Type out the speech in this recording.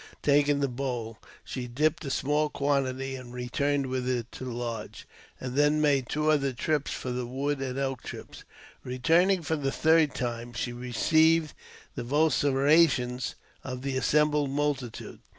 Taking the bowl, she dipped a sm? quantity, and returned with it to the lodge, and then made two other trips for the wood and elk chips. Eeturning for the third time, she received the vociferations of the assembled^ multitude.